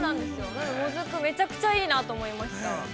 なので、モズク、めちゃくちゃいいなと思いました。